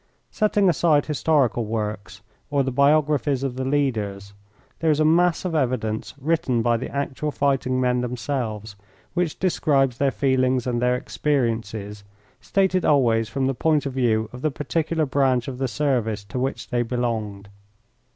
Setting aside historical works or the biographies of the leaders there is a mass of evidence written by the actual fighting men themselves, which describes their feelings and their experiences, stated always from the point of view of the particular branch of the service to which they belonged.